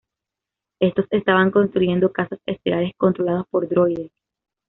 Estos estaban construyendo cazas estelares controlados por droides.